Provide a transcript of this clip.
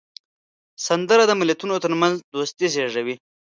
سندره د ملتونو ترمنځ دوستي زیږوي